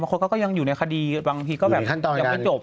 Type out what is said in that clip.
คนเขาก็ยังอยู่ในคดีบางทีก็แบบยังไม่จบ